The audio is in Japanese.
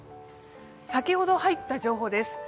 先ほど入った情報です。